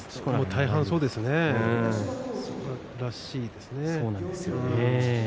大半がそうですね。